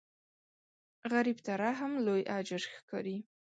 غریب ته رحم لوی اجر ښکاري